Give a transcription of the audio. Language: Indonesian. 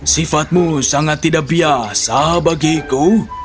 sifatmu sangat tidak biasa bagiku